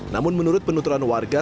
namun menurut penuturan warga